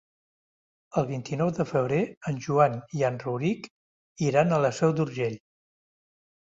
El vint-i-nou de febrer en Joan i en Rauric iran a la Seu d'Urgell.